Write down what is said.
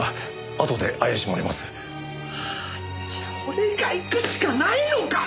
じゃあ俺が行くしかないのか。